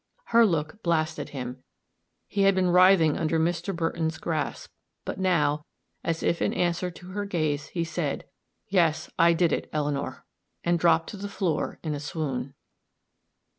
Her look blasted him. He had been writhing under Mr. Burton's grasp; but now, as if in answer to her gaze, he said, "Yes I did it, Eleanor," and dropped to the floor in a swoon.